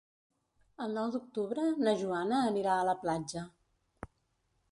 El nou d'octubre na Joana anirà a la platja.